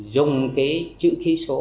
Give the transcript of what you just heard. dùng cái chữ ký số